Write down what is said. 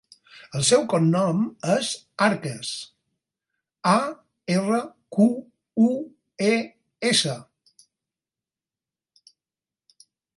El seu cognom és Arques: a, erra, cu, u, e, essa.